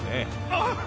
あっ！